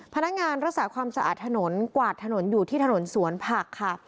พนักงานรักษาความสะอาดถนนกวาดถนนอยู่ที่ถนนสวนผักค่ะ